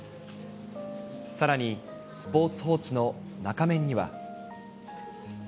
さらにスポーツ報知の中面には。